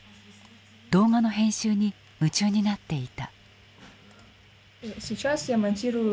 動画の編集に夢中になっていた。